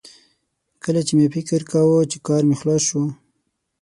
کله چې مې فکر کاوه چې کار مې خلاص شو